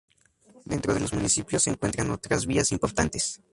Dentro de los municipios se encuentran otras vías importantes.